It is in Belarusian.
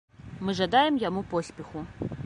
Мы жадаем яму поспеху.